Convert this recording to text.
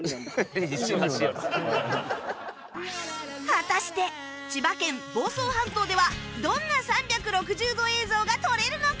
果たして千葉県房総半島ではどんな３６０度映像が撮れるのか？